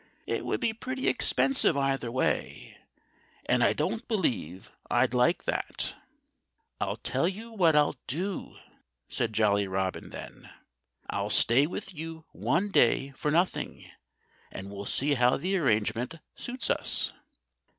It would be pretty expensive, either way. And I don't believe I'd like that." "I'll tell you what I'll do," said Jolly Robin then. "I'll stay with you one day for nothing. And we'll see how the arrangement suits us."